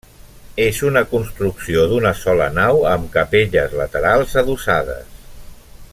És una construcció d'una sola nau, amb capelles laterals adossades.